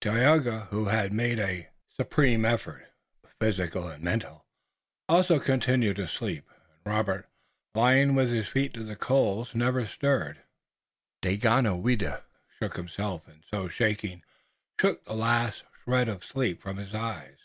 Tayoga, who had made a supreme effort, both physical and mental, also continued to sleep, and Robert, lying with his feet to the coals, never stirred. Daganoweda shook himself, and, so shaking, shook the last shred of sleep from his eyes.